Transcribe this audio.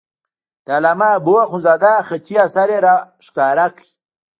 د علامه حبو اخندزاده خطي اثر یې را وښکاره کړ.